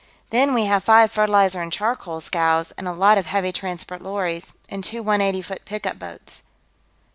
Then, we have five fertilizer and charcoal scows, and a lot of heavy transport lorries, and two one eighty foot pickup boats."